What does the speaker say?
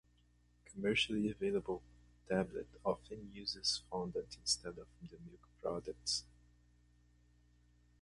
Commercially available tablet often uses fondant instead of the milk products.